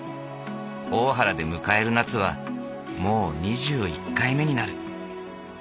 大原で迎える夏はもう２１回目になる。